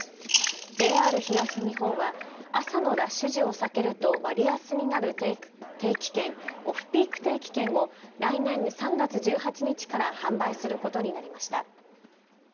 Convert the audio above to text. ＪＲ東日本は朝のラッシュ時を避けると割安になる定期券、オフピーク定期券を来年３月１８日から販売することになりました。